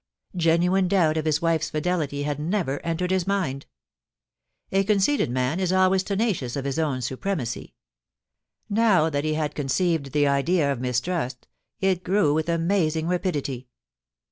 Genuine doubt of his wife^s fidelity had never entered his mind. A conceited man is always tenacious of his own supremacy. Now that he had conceived the idea of mistrust, it grew with amazing rapidity.